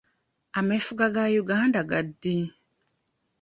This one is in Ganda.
Ameefuga ga Uganda ga ddi?